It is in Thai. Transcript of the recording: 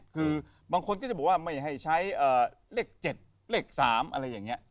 คือบางคนก็จะบอกว่าไม่ให้ใช้เลข๗เลข๓อะไรอย่างนี้